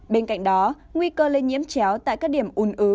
bên cạnh đó nguy cơ lên nhiễm chéo tại các điểm un ứ